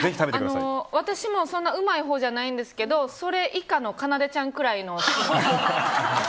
私もそんなうまいほうじゃないんですけどそれ以下のかなでちゃんくらいの。